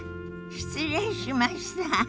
失礼しました。